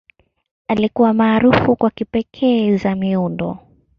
Alikuwa maarufu kwa kipekee za miundo.